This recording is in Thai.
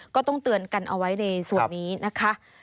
ก็ต้องเตือนกันเอาไว้ในส่วนนี้นะคะ